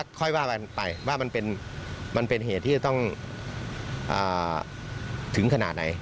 ค่อยว่ากันไปว่ามันเป็นเหตุที่จะต้องถึงขนาดไหน